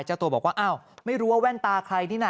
เจ้าตัวบอกว่าอ้าวไม่รู้ว่าแว่นตาใครนี่น่ะ